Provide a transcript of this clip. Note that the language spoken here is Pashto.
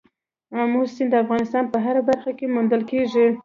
آمو سیند د افغانستان په هره برخه کې موندل کېږي.